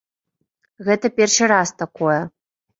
Гэта першы раз такое.